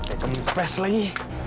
aku ingin pes lagi